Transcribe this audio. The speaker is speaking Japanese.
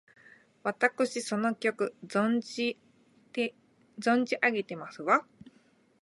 わたくしその曲、存じ上げてますわ！